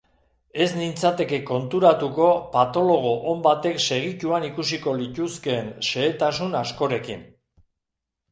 Ez nintzateke konturatuko patologo on batek segituan ikusiko lituzkeen xehetasun askorekin.